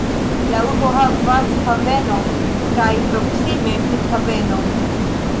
La urbo havas havenon kaj proksime flughavenon.